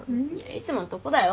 いつものとこだよ。